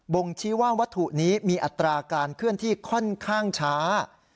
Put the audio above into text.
่งชี้ว่าวัตถุนี้มีอัตราการเคลื่อนที่ค่อนข้างช้า